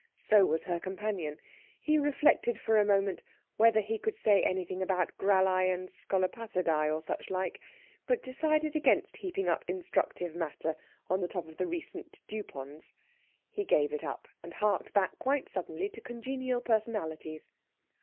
So was her companion. He reflected for a moment whether he could say anything about Grallæ and Scolopacidæ, or such like, but decided against heaping up instructive matter on the top of the recent dewponds. He gave it up, and harked back quite suddenly to congenial personalities.